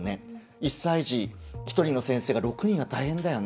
１歳児、１人の先生が６人は大変だよね。